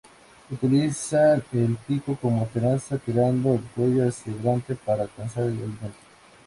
Utilizan el pico como tenaza, estirando el cuello hacia delante para alcanzar el alimento.